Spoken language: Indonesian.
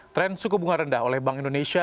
tren suku bunga rendah oleh bank indonesia